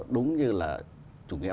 đúng như là chủ nghĩa